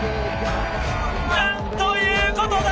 なんということだ！